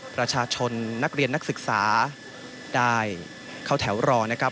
ประชาชนนักเรียนนักศึกษาได้เข้าแถวรอนะครับ